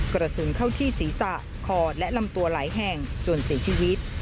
กระสุนเข้าที่ศีรษะคอและลำตัวหลายแห่งจนเสียชีวิต